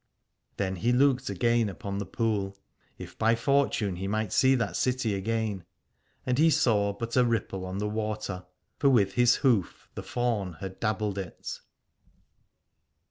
Then he looked again upon the pool, if by fortune he might see that city again : and he saw but a ripple on the water, for with his hoof the faun had dabbled it.